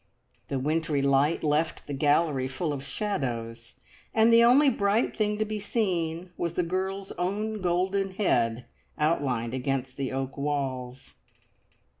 The wintry light left the gallery full of shadows, and the only bright thing to be seen was the girl's own golden head outlined against the oak walls.